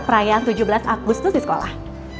perayaan tujuh belas agustus di sekolah